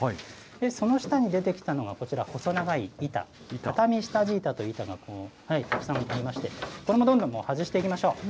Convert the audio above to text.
その下に出てきたのがこちら、細長い板、畳下地板という板がたくさんありまして、これもどんどん外していきましょう。